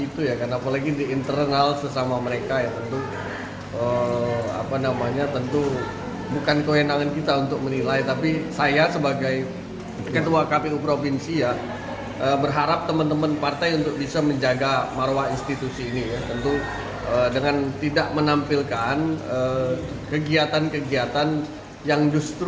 tidak menampilkan kegiatan kegiatan yang justru mencederai masyarakat sumatera selatan